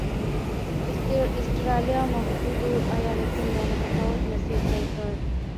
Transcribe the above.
اسټرالیا او متحدو ایالتونو یو متفاوت مسیر طی کړ.